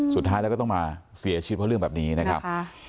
สุดท้ายแล้วก็ต้องมาเสียชีวิตเพราะเรื่องแบบนี้นะครับ